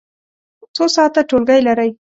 څو ساعته ټولګی لرئ؟